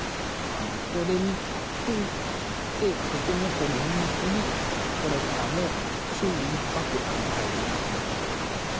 それについてとても厳密にこれからも注意深くありたいなと思っています。